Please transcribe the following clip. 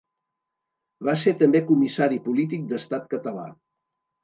Va ser també comissari polític d'Estat Català.